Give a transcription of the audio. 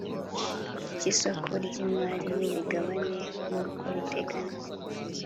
Cy isoko ry imari n imigabane nk uko biteganywa